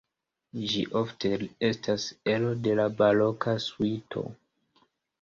Ĝi ofte estas ero de la baroka suito.